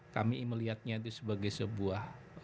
kami melihatnya itu sebagai sebuah